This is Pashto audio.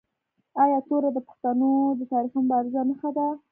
آیا توره د پښتنو د تاریخي مبارزو نښه نه ده؟